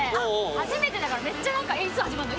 初めてだからめっちゃ「いつ始まんの？